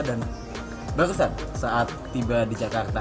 dan baru set saat tiba di jakarta